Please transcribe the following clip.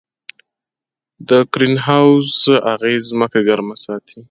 د ګرین هاوس اغېز ځمکه ګرمه ساتي.